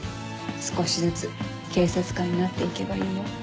少しずつ警察官になって行けばいいよ。